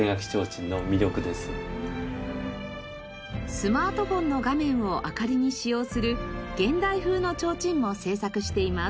スマートフォンの画面を明かりに使用する現代風の提灯も制作しています。